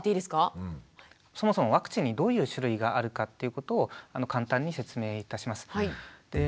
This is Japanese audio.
そもそもワクチンにどういう種類があるかっていうことを簡単に説明いたします。